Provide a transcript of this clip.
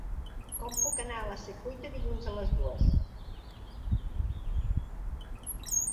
Com puc anar a la Secuita dilluns a les dues?